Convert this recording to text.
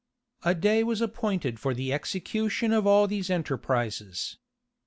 A day was appointed for the execution of all these enterprises.